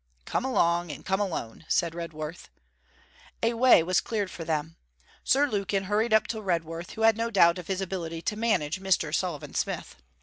'Come along, and come alone,' said Redworth. A way was cleared for them. Sir Lukin hurried up to Redworth, who had no doubt of his ability to manage Mr. Sullivan Smith.